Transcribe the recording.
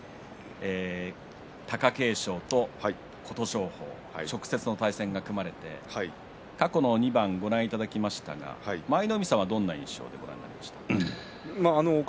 貴景勝と琴勝峰、直接の対戦が組まれて過去の２番ご覧いただきましたが舞の海さんはどんな印象ですか？